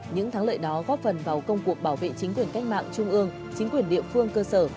những thắng lợi đó góp phần vào công cuộc bảo vệ chính quyền cách mạng trung ương chính quyền địa phương cơ sở